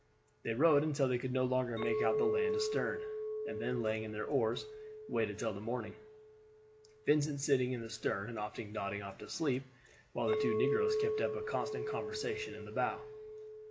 They rowed until they could no longer make out the land astern, and then laying in their oars waited till the morning, Vincent sitting in the stern and often nodding off to sleep, while the two negroes kept up a constant conversation in the bow.